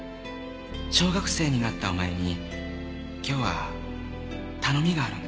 「小学生になったお前に今日は頼みがあるんだ」